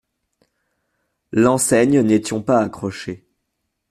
L’enseigne n’étiont pas accrochée.